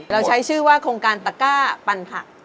เราใช้ชื่อว่าโครงการตะก้าปันผัก